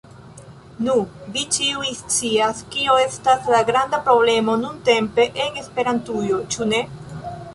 Nu, vi ĉiuj scias kio estas la granda problemo nuntempe en Esperantujo, ĉu ne?